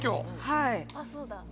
はい。